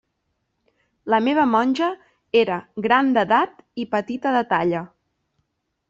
La meva monja era gran d'edat i petita de talla.